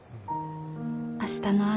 「明日の朝」。